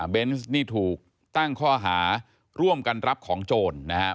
เนส์นี่ถูกตั้งข้อหาร่วมกันรับของโจรนะครับ